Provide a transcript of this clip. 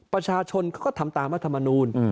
ประชาชนก็ทำตามมาธรรมนูล